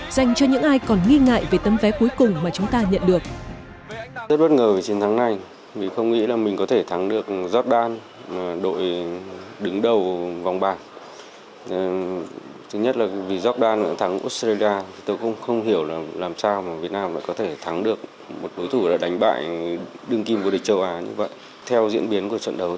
dành cho những ai còn nghi ngại về tấm vé cuối cùng mà chúng ta nhận được